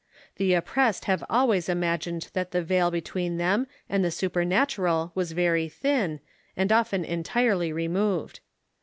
The oppressed have always imagined that the veil between them and the supernatural was very thin, and often entirely removed.